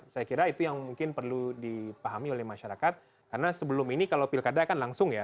saya kira itu yang mungkin perlu dipahami oleh masyarakat karena sebelum ini kalau pilkada kan langsung ya